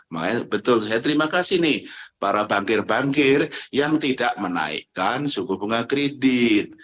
makanya betul saya terima kasih nih para bankir bankir yang tidak menaikkan suku bunga kredit